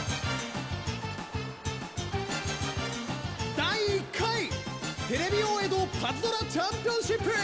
第１回テレビ大江戸パズドラチャンピオンシップ！！